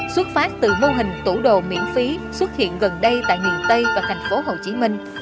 xuất phát từ mô hình tủ đồ miễn phí xuất hiện gần đây tại miền tây và thành phố hồ chí minh